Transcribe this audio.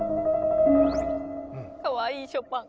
かわいいショパン。